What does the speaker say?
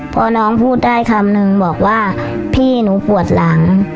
พอน้องพูดได้คำนึงบอกว่าพี่หนูปวดหลัง